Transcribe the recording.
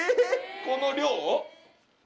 この量？